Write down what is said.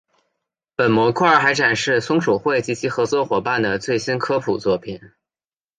本模块还展示松鼠会及其合作伙伴的最新科普作品。